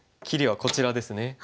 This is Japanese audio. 切りはこちらですね。